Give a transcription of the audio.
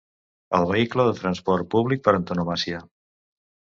El vehicle de transport públic per antonomàsia.